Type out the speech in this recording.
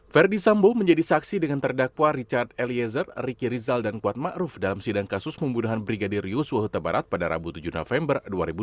verdi sambo menjadi saksi dengan terdakwa richard eliezer ricky rizal dan kuat ma'ruf dalam sidang kasus pembunuhan brigadir yusuf tebarat pada rabu tujuh november dua ribu dua puluh dua